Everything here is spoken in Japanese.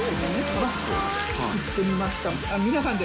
作ってみました。